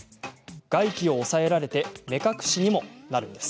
外気を抑えられ目隠しにもなります。